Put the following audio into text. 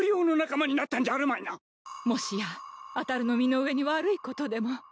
もしやあたるの身の上に悪いことでも。